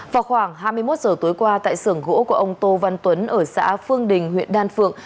vào khoảng hai mươi một h tối qua tại xưởng gỗ của ông tô văn tuấn ở xã phương đình huyện đan phượng